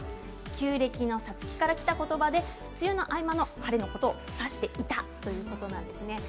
旧暦の５月からきた言葉で、梅雨の合間の晴れのことを指していたんですね。